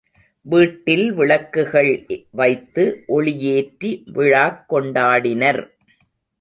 வீட்டில் விளக்குகள் வைத்து ஒளி ஏற்றி விழாக் கொண்டாடினர்.